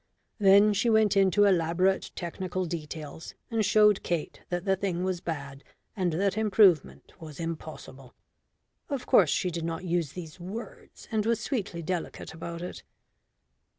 Then she went into elaborate technical details and showed Kate that the thing was bad and that improvement was impossible. Of course, she did not use these words, and was sweetly delicate about it.